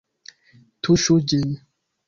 Tuŝu ĝin!